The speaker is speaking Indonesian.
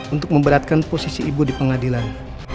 untuk memberatkan posisi ibu di pengadilan